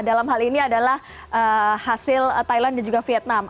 dalam hal ini adalah hasil thailand dan juga vietnam